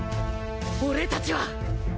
俺たちは！！